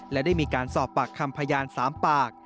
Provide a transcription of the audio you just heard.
และได้มีการสอบปากคำพยาน๓ปาก